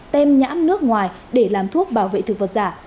tem nhãn nước ngoài để làm thuốc bảo vệ thực vật giả